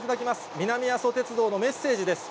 南阿蘇鉄道のメッセージです。